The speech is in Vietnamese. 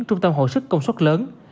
trung tâm hội sức công suất lớn